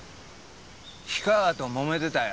氷川ともめてたよ。